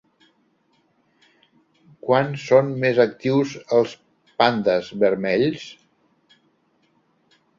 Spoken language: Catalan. Quan són més actius els pandes vermells?